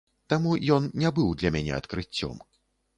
Таму ён не быў для мяне адкрыццём.